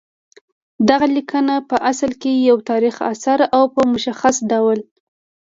دغه لیکنه پع اصل کې یو تاریخي اثر او په مشخص ډول